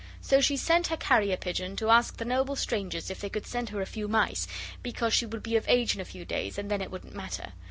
So she sent her carrier pigeon to ask the noble Strangers if they could send her a few mice because she would be of age in a few days and then it wouldn't matter.